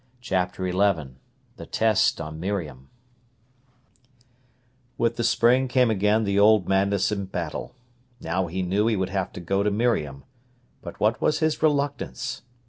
CHAPTER XI THE TEST ON MIRIAM With the spring came again the old madness and battle. Now he knew he would have to go to Miriam. But what was his reluctance?